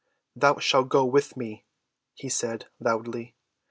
"Thou shalt go with me," he said loudly.